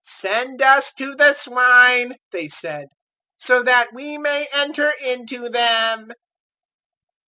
"Send us to the swine," they said, "so that we may enter into them."